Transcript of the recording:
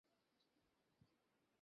শুধুমাত্র তোমার সমস্ত আবদার মেটাতে।